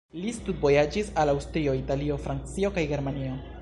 Li studvojaĝis al Aŭstrio, Italio, Francio kaj Germanio.